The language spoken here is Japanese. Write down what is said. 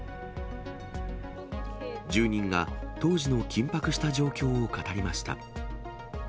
住人が当時の緊迫した状況を語りました。